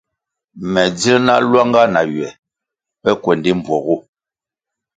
Me dzil na luanga na ywe pe kuendi mbpuogu.